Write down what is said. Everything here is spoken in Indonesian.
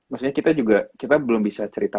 maksudnya kita juga kita belum bisa cerita